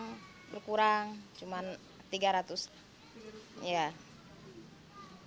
sekarang berkurang cuma rp tiga ratus